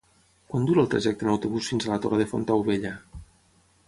Quant dura el trajecte en autobús fins a la Torre de Fontaubella?